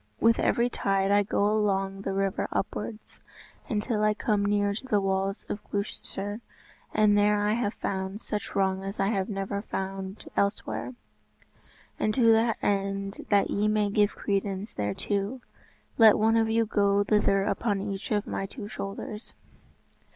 With every tide I go along the river upwards, until I come near to the walls of Gloucester, and there have I found such wrong as I never found elsewhere; and to the end that ye may give credence thereto, let one of you go thither upon each of my two shoulders."